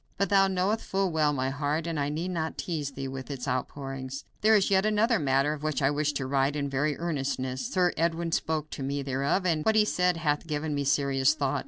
But thou knowest full well my heart, and I need not tease thee with its outpourings. "There is yet another matter of which I wish to write in very earnestness. Sir Edwin spoke to me thereof, and what he said hath given me serious thought.